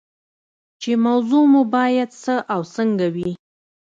چې موضوع مو باید څه او څنګه وي.